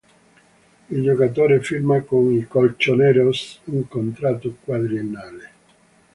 Il giocatore firma con i "Colchoneros" un contratto quadriennale.